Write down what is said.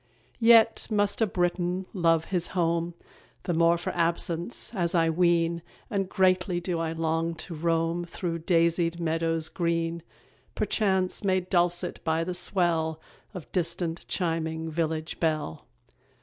Yet must a Briton love his home The more for absence, as I ween, And greatly do I long to roam Through daisied meadows green, Perchance made dulcet by the swell Of distant chiming village bell.